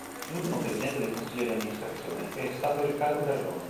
L'ultimo Presidente del Consiglio di Amministrazione è stato Riccardo Garrone.